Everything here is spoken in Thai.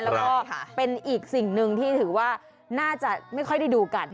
แล้วก็เป็นอีกสิ่งหนึ่งที่ถือว่าน่าจะไม่ค่อยได้ดูกัน